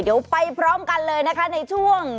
เดี๋ยวไปพร้อมกันเลยนะคะในช่วง